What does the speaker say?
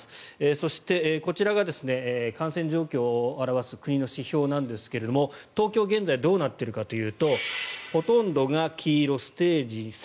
そして、こちらが感染状況を表す国の指標ですが東京は現在どうなっているかというとほとんどが黄色、ステージ３。